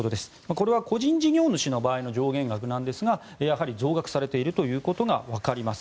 これは個人事業主の場合の上限額なんですがやはり増額されていることがわかります。